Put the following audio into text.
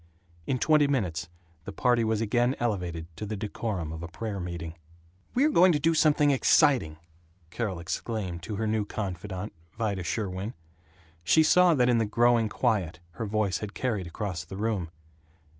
In twenty minutes the party was again elevated to the decorum of a prayer meeting. "We're going to do something exciting," Carol exclaimed to her new confidante, Vida Sherwin. She saw that in the growing quiet her voice had carried across the room.